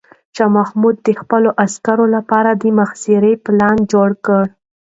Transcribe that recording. شاه محمود د خپلو عسکرو لپاره د محاصرې پلان جوړ کړ.